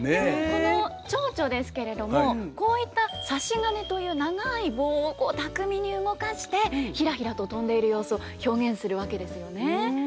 このチョウチョですけれどもこういった差し金という長い棒を巧みに動かしてひらひらと飛んでいる様子を表現するわけですよね。